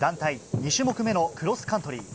２種目のクロスカントリー。